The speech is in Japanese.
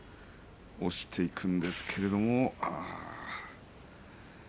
押していくんですけれど。